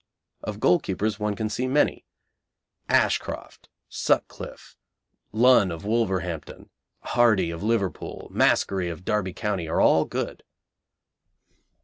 Of goalkeepers, one can see many. Ashcroft; Sutcliffe; Lunn, of Wolverhampton; Hardy, of Liverpool; Maskery, of Derby County, are all good.